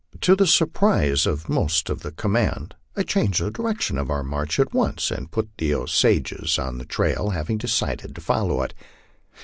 To the surprise of most of the command, I changed the direction of our march at once, and put the Osages on the trail, having decided to follow it.